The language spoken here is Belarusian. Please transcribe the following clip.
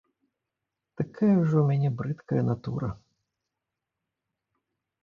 Такая ўжо ў мяне брыдкая натура.